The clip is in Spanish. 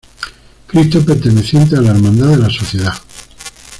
Cristo perteneciente a la hermandad de la Soledad.